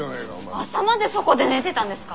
朝までそこで寝てたんですか？